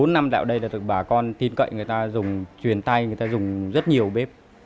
bốn năm đã ở đây là bà con tin cậy người ta dùng truyền tay người ta dùng rất nhiều bếp